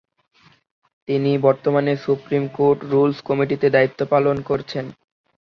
তিনি বর্তমানে supreme court rules কমিটিতে দায়িত্ব পালন করছেন।